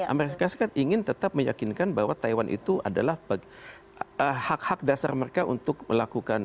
amerika serikat ingin tetap meyakinkan bahwa taiwan itu adalah hak hak dasar mereka untuk melakukan